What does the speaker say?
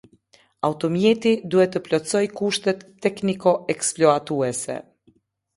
Automjeti duhet të plotësoj kushtet tekniko-eksploatuese.